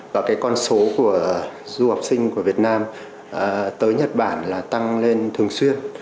và cái con số của du học sinh của việt nam tới nhật bản là tăng lên thường xuyên